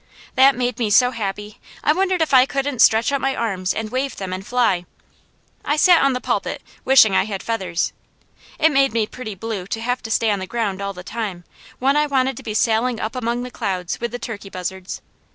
That made me so happy I wondered if I couldn't stretch out my arms and wave them and fly. I sat on the pulpit wishing I had feathers. It made me pretty blue to have to stay on the ground all the time, when I wanted to be sailing up among the clouds with the turkey buzzards.